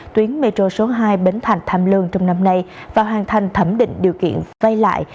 tuyến metro số hai bến thành tham lương trong năm nay và hoàn thành thẩm định điều kiện vay lại